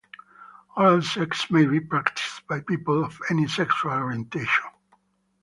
Oral sex may be practiced by people of any sexual orientation.